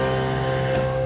terima kasih bu